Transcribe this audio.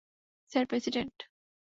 Sir, president?